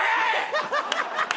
ハハハハ！